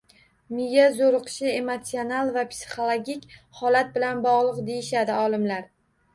Miya zo‘riqishi emotsional va psixologik holat bilan bog‘liq, deyishadi olimlar.